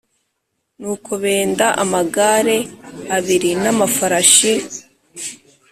Nuko benda amagare abiri n amafarashi